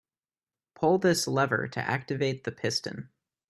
Pull this lever to activate the piston.